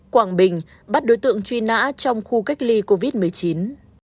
quảng bình bắt đối tượng truy nã trong khu cách ly covid một mươi chín